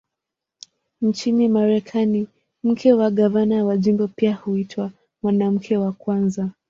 Nchini Marekani, mke wa gavana wa jimbo pia huitwa "Mwanamke wa Kwanza".